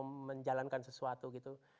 atau mau menjalankan sesuatu gitu